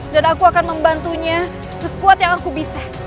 dan aku akan membantunya sekuat yang aku bisa